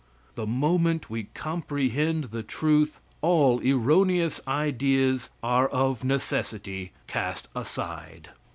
The moment we comprehend the truth, all erroneous ideas are of necessity cast aside.